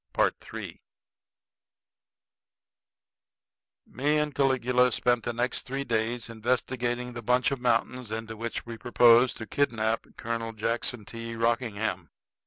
III Me and Caligula spent the next three days investigating the bunch of mountains into which we proposed to kidnap Colonel Jackson T. Rockingham.